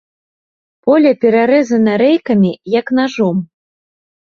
Поле перарэзана рэйкамі, як нажом.